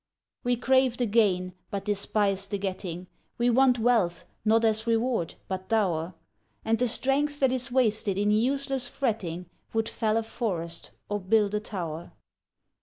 We crave the gain, but despise the getting; We want wealth not as reward, but dower; And the strength that is wasted in useless fretting Would fell a forest or build a tower.